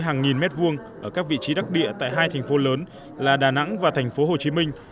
hàng nghìn mét vuông ở các vị trí đắc địa tại hai thành phố lớn là đà nẵng và thành phố hồ chí minh